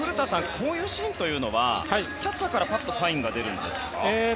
こういうシーンというのはキャッチャーからパッとサインが出るんですか？